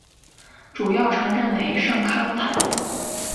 主要城镇为圣康坦。